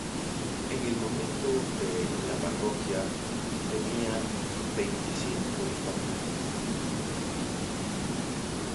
En el momento de la parroquia tenía veinticinco familias.